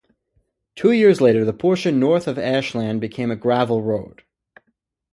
Two years later, the portion north of Ashland became a gravel road.